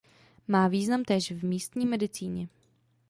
Má význam též v místní medicíně.